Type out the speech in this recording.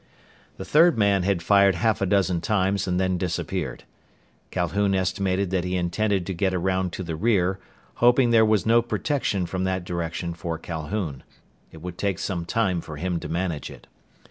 The third man had fired half a dozen times and then disappeared. Calhoun estimated that he intended to get around to the rear, hoping there was no protection from that direction for Calhoun. It would take some time for him to manage it.